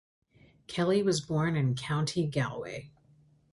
Kelly was born in County Galway.